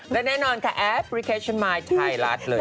และแน่นอนค่ะแอปพลิเคชันมายไทยรัฐเลย